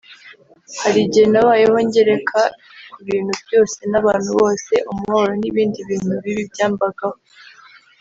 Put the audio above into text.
Hari igihe nabayeho ngereka ku bintu byose n’abantu bose umubabaro n’ibindi bintu bibi byambagaho